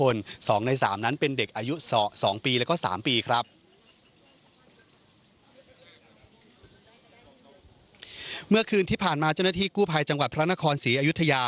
เมื่อคืนที่ผ่านมาเจ้าหน้าที่กู้ภัยจังหวัดพระนครศรีอยุธยา